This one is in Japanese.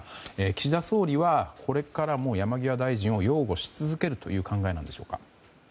岸田総理はこれからも山際大臣を擁護し続けるという考えなんでしょうか。